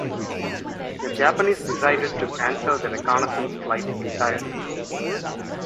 The Japanese decided to cancel the reconnaissance flights entirely.